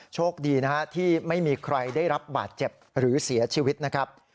โชคดีนะฮะที่ไม่มีใครได้รับบาดเจ็บหรือเสียชีวิตนะครับ